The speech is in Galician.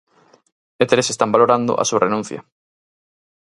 E tres están valorando a súa renuncia.